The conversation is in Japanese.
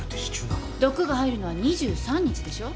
毒が入るのは２３日でしょ？